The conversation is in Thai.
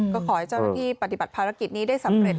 ก็ขอให้เจ้าหน้าที่ปฏิบัติภารกิจนี้ได้สำเร็จ